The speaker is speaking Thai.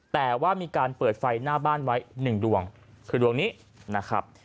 แต่ว่ามีการเปิดไฟหน้าบ้านไว้๑ดวงคือดวงนี้นะครับ